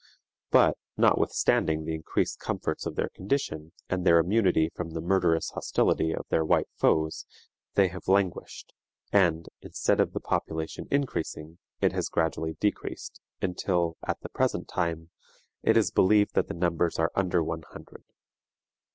But, notwithstanding the increased comforts of their condition, and their immunity from the murderous hostility of their white foes, they have languished, and, instead of the population increasing, it has gradually decreased, until, at the present time, it is believed that the numbers are under one hundred.